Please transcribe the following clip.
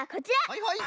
はいはい。